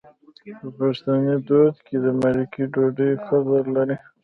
په پښتني دود کې د مالګې ډوډۍ قدر لري.